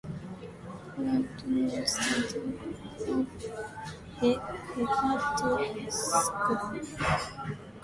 Plato notes that hepatoscopy held greater prestige than augury by means of birds.